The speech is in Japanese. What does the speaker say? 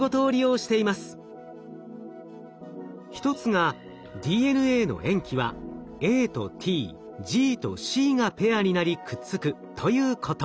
一つがＤＮＡの塩基はＡとＴＧとＣがペアになりくっつくということ。